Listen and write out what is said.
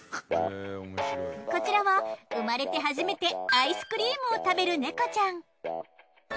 こちらは生まれて初めてアイスクリームを食べるネコちゃん。